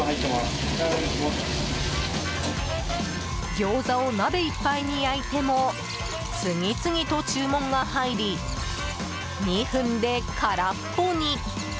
ギョーザを鍋いっぱいに焼いても次々と注文が入り２分で空っぽに。